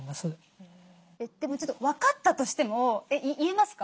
でも分かったとしても言えますか？